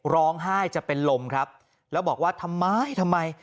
ร้องไห้จะเป็นลมครับแล้วบอกว่าทำไมทำไม